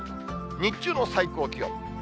日中の最高気温。